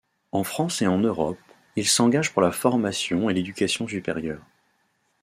En France et en Europe, il s'engage pour la formation et l'éducation supérieure.